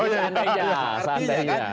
ini aneh ya